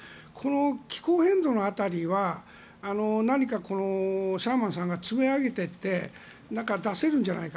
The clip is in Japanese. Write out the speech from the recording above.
気候変動の辺りは何かシャーマンさんが積み上げていって出せるんじゃないか。